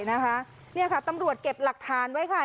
นี่ค่ะตำรวจเก็บหลักฐานไว้ค่ะ